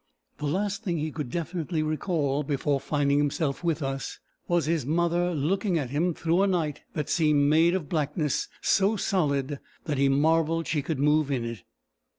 The last thing he could definitely recall before finding himself with us, was his mother looking at him through a night that seemed made of blackness so solid that he marvelled she could move in it.